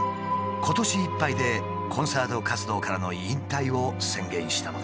今年いっぱいでコンサート活動からの引退を宣言したのだ。